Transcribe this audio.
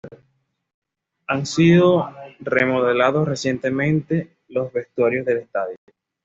Han sido remodelados recientemente los vestuarios del estadio.